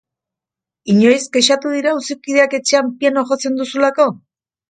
Inoiz kexatu dira auzokideak etxean pianoa jotzen duzulako?